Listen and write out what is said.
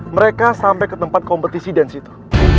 mereka sampai ke tempat kompetisi dan situ